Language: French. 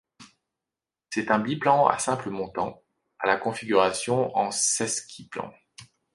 C'est un biplan à simple montant, à la configuration en sesquiplan.